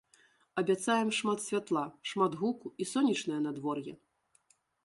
Абяцаем шмат святла, шмат гуку і сонечнае надвор'е!